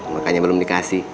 makanya belum dikasih